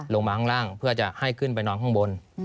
ลงมาข้างล่างเพื่อจะให้ขึ้นไปนอนข้างบน